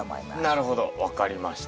なるほど分かりました。